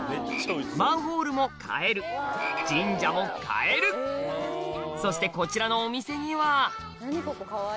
マンホールもカエル神社もカエルそしてこちらのお店にはわ！